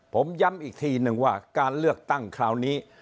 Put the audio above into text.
ผมย้ำอีกทีนึงว่าการเลือกตั้งคราวนี้